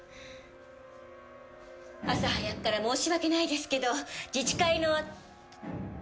朝早くから申し訳ないですけど自治会の。